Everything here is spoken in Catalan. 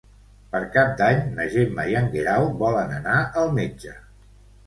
Per Cap d'Any na Gemma i en Guerau volen anar al metge.